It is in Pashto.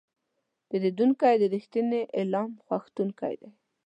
پیرودونکی د رښتیني اعلان غوښتونکی دی.